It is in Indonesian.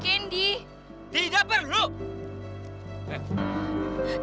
kandang di bawah kan udah tenang